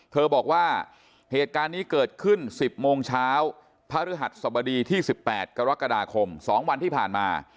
บอกว่าเหตุการณ์นี้เกิดขึ้น๑๐โมงเช้าพระฤหัสสบดีที่๑๘กรกฎาคม๒วันที่ผ่านมา